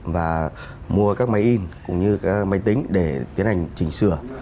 và mua các máy in cũng như các máy tính để tiến hành chỉnh sửa